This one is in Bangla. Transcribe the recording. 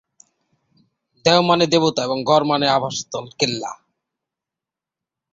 দেও মানে দেবতা এবং গড় মানে আবাস্থল/কেল্লা।